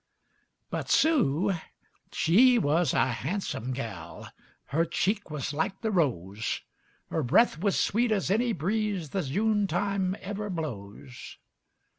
But Sue, she wuz a hansum gal; Her cheek wuz like the rose; Her breth wuz sweet as any breeze The June time ever blows.